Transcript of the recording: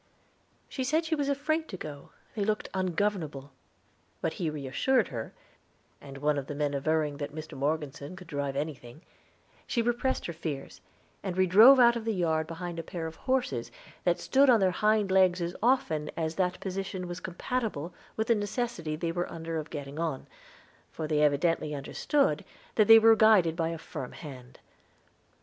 She said she was afraid to go, they looked ungovernable; but he reassured her, and one of the men averring that Mr. Morgeson could drive anything, she repressed her fears, and we drove out of the yard behind a pair of horses that stood on their hind legs as often as that position was compatible with the necessity they were under of getting on, for they evidently understood that they were guided by a firm hand.